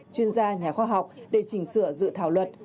chuyên gia nhà khoa học để chỉnh sửa dự thảo luật